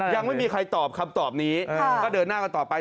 ยังไม่มีใครตอบคำตอบนี้ก็เดินหน้ากันต่อไป